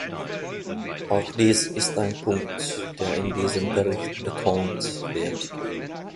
Auch dies ist ein Punkt, der in diesem Bericht betont wird.